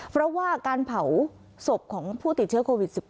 เพราะว่าการเผาศพของผู้ติดเชื้อโควิด๑๙